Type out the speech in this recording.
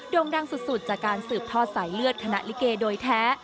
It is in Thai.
่งดังสุดจากการสืบทอดสายเลือดคณะลิเกโดยแท้